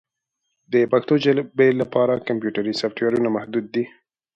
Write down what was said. د پښتو ژبې لپاره کمپیوټري سافټویرونه محدود دي.